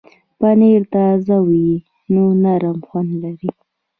پنېر تازه وي نو نرم خوند لري.